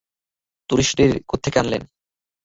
টুরিস্টদের কোত্থেকে আনলেন?